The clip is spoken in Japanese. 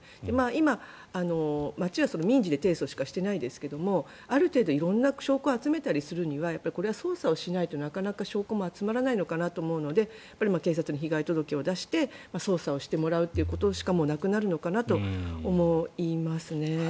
今、町は民事で提訴しかしていないですけれどある程度色んな証拠を集めたりするにはこれは捜査をしないとなかなか証拠も集まらないのかなと思うので警察に被害届を出して捜査をしてもらうということしかもうなくなるのかなと思います。